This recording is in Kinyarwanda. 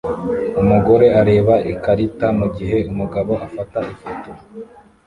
Umugore areba ikarita mugihe umugabo afata ifoto